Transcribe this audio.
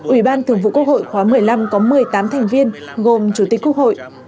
ủy ban thường vụ quốc hội khóa một mươi năm có một mươi tám thành viên gồm chủ tịch quốc hội